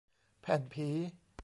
แผ่นผี